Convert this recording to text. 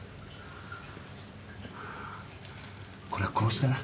これは殺しだな。